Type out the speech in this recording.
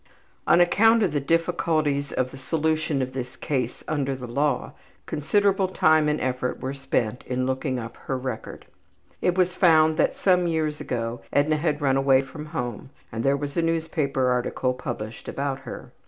On account of the difficulties of the solution of this case under the law considerable time and effort were spent in looking up her record. It was found that some years ago Edna had run away from home and there was a newspaper article published about her.